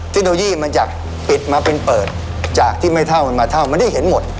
เทคโนโลยีมันจะปิดมาเป็นเปิดจากที่ไม่เท่ามันมาเท่ามันได้เห็นหมด